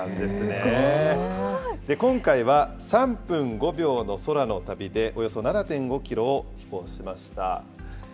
今回は３分５秒の空の旅でおよそ７．５キロを飛行しました。